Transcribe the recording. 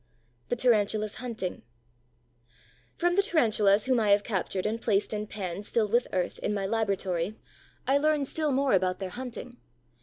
THE TARANTULA'S HUNTING From the Tarantulas whom I have captured and placed in pans filled with earth in my laboratory, I learn still more about their hunting.